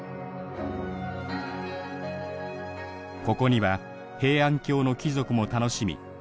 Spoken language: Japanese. ここには平安京の貴族も楽しみ